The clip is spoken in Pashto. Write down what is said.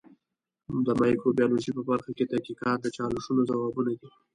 د مایکروبیولوژي په برخه کې تحقیقات د چالشونو ځوابونه دي.